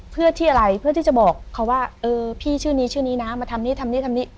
เพื่อที่อะไรเพื่อที่จะบอกเขาว่าเออพี่ชื่อนี้ชื่อนี้นะมาทำนี่ทำนี่ทำนี่